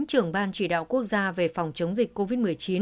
trưởng ban chỉ đạo quốc gia về phòng chống dịch covid một mươi chín